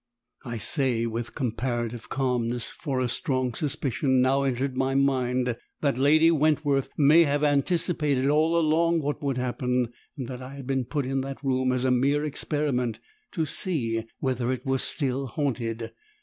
I say with comparative calmness, for a strong suspicion now entered my mind that Lady Wentworth may have anticipated all along what would happen, and that I had been put in that room as a mere experiment to see whether it were still haunted.